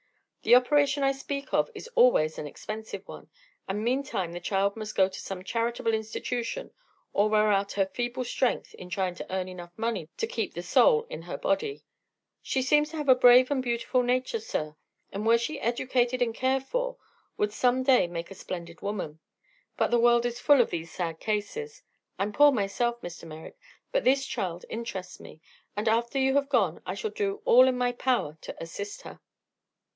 The operation I speak of is always an expensive one, and meantime the child must go to some charitable institution or wear out her feeble strength in trying to earn enough to keep the soul in her body. She seems to have a brave and beautiful nature, sir, and were she educated and cared for would some day make a splendid woman. But the world is full of these sad cases. I'm poor myself, Mr. Merrick, but this child interests me, and after you have gone I shall do all in my power to assist her."